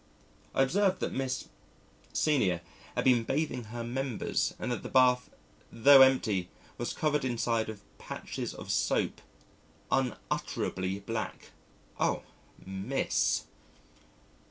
I observed that Miss senior had been bathing her members, and that the bath, tho' empty, was covered inside with patches of soap unutterably black! Oh! Miss